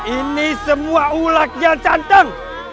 ini semua ula jal cantang